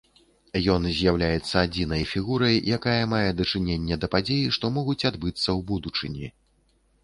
Ён з'яўляецца адзінай фігурай, якая мае дачыненне да падзей, што могуць адбыцца ў будучыні.